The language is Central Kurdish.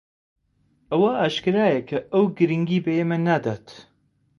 ئەوە ئاشکرایە کە ئەو گرنگی بە ئێمە نادات.